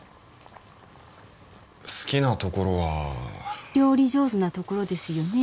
好きなところは料理上手なところですよね